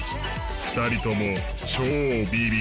２人とも超ビビリ。